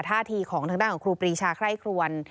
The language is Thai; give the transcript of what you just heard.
ท่าทีของทางด้านของครูปรีชาไคร่ครวน